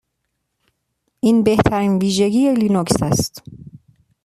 این بهترین ویژگی لینوکس است.